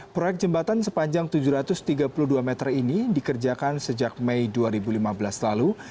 proyek jembatan sepanjang tujuh ratus tiga puluh dua meter ini dikerjakan sejak mei dua ribu lima belas lalu